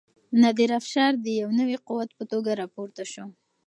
نادر افشار د یو نوي قوت په توګه راپورته شو.